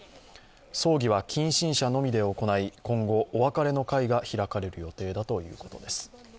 葬儀は近親者のみで行い、今後、お別れの会が開かれる予定だということです。